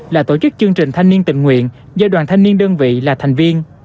là tổ chức chương trình thanh niên tình nguyện do đoàn thanh niên đơn vị là thành viên